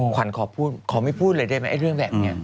ขวัญขอพูดขอไม่พูดเลยได้ไหมเรื่องแบบนี้